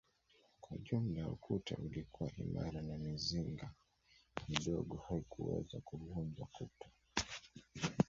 Kwa jumla ukuta ulikuwa imara na mizinga midogo haikuweza kuvunja kuta